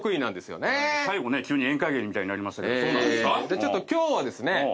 ちょっと今日はですね